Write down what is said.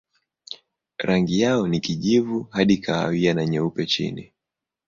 Rangi yao ni kijivu hadi kahawia na nyeupe chini.